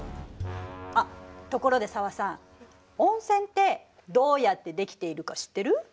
あっところで紗和さん温泉ってどうやってできているか知ってる？